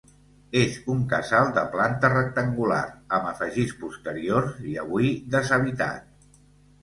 És un casal de planta rectangular, amb afegits posteriors i avui deshabitat.